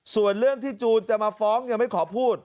ส่วนเรื่องที่จูนจะมาฟ้องยังไม่ขอพูด